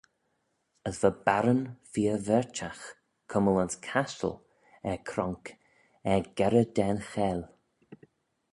As va barron feer verçhagh, cummal ayns cashtal er cronk er gerrey da'n cheyll.